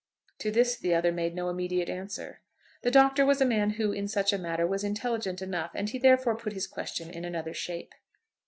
To this the other made no immediate answer. The Doctor was a man who, in such a matter, was intelligent enough, and he therefore put his question in another shape.